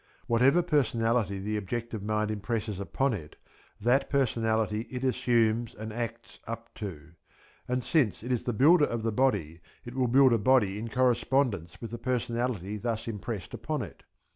Whatever personality the objective mind impresses upon it, that personality it assumes and acts up to; and since it is the builder of the body it will build up a body in correspondence with the personality thus impressed upon it.